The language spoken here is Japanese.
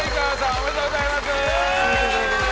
おめでとうございます！